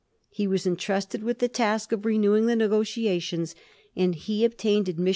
He was entrusted with the task of renewing the negotiations, and he obtained admis